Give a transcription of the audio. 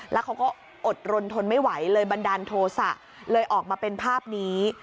แล้วเขาก็อดรนทนไม่ไหวเลยบันดาลโทษะเลยออกมาเป็นภาพนี้